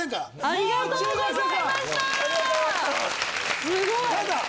ありがとうございます。